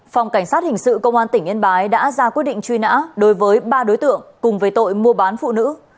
phòng cảnh sát hình sự công an tỉnh yên bái đã ra quyết định truy nã đối với ba đối tượng cùng về tội mua bán phụ nữ